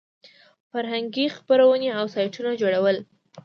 فرهنګي خپرونې او سایټونه جوړول.